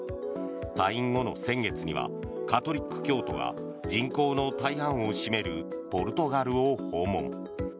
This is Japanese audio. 退院後の先月にはカトリック教徒が人口の大半を占めるポルトガルを訪問。